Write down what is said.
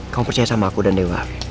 kamu percaya sama aku dan dewa